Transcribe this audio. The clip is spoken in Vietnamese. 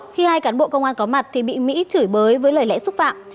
khi hai cán bộ công an có mặt thì bị mỹ chửi bới với lời lẽ xúc phạm